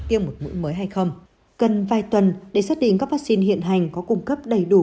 tiêm một mũi mới hay không cần vài tuần để xác định các vaccine hiện hành có cung cấp đầy đủ